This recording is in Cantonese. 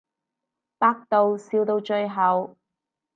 百度笑到最後